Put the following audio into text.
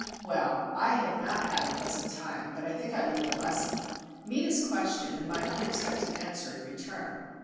Well, I had not had a pleasant time, but I think I learned a lesson. Meta's question and my unexpected answer in return.